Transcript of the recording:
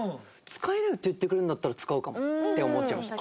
「使いなよ」って言ってくれるんだったら使うかもって思っちゃいました。